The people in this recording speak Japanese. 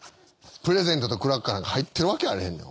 プレゼントとクラッカーなんか入ってるわけあれへんねん。